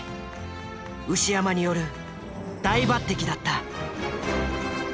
牛山による大抜擢だった。